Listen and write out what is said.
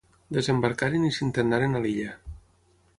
Desembarcaren i s'internaren a l'illa.